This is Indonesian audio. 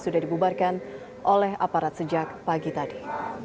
sudah dibubarkan oleh aparat sejak pagi tadi